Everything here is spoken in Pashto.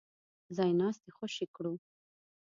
ځای ناستي خوشي کړو.